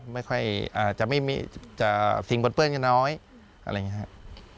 ไม่ค่อยจะไม่มีสิ่งเปิ้ลน้อยอะไรอย่างนี้ครับ